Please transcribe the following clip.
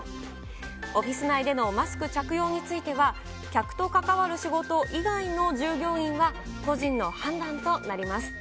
オフィス内でのマスク着用については、客と関わる仕事以外の従業員は、個人の判断となります。